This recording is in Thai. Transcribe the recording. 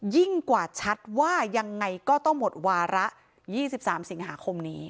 ยิ่งกว่าชัดว่ายังไงก็ต้องหมดวาระ๒๓สิงหาคมนี้